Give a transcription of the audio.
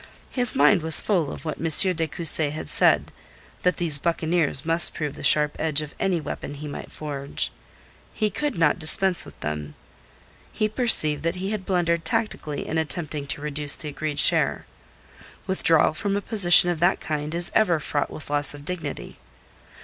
His mind was full of what M. de Cussy had said that these buccaneers must prove the sharp edge of any weapon he might forge. He could not dispense with them. He perceived that he had blundered tactically in attempting to reduce the agreed share. Withdrawal from a position of that kind is ever fraught with loss of dignity.